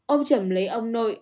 ông chẩm lấy ông nội